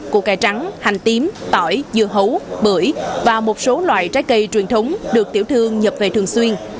củ cà trắng hành tím tỏi dưa hấu bưởi và một số loại trái cây truyền thống được tiểu thương nhập về thường xuyên